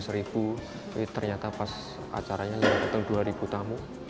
tapi ternyata pas acaranya dua ribu tamu